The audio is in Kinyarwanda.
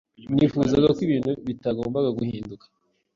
Nifuzaga ko ibintu bitagomba guhinduka.